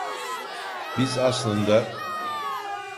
Biz aslında…